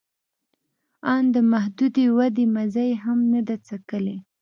آن د محدودې ودې مزه یې هم نه ده څکلې